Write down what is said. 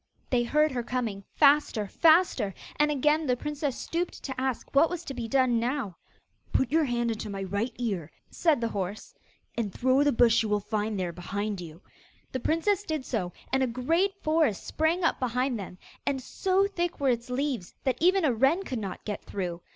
They heard her coming, faster, faster; and again the princess stooped to ask what was to be done now. 'Put your hand into my right ear,' said the horse, 'and throw the brush you will find there behind you.' The princess did so, and a great forest sprang up behind them, and, so thick were its leaves, that even a wren could not get through.